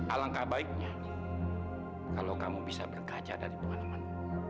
alangkah baiknya kalau kamu bisa berkaca dari pengalamanmu